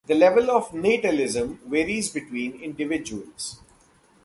The level of natalism varies between individuals.